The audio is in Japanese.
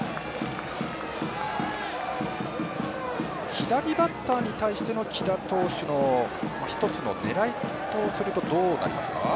左バッターに対しての木田投手の一つのねらいとするとどうなりますか。